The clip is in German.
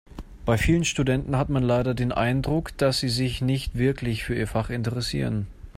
Bei vielen Studenten hat man leider den Eindruck, dass sie sich nicht wirklich für ihr Fach interessieren.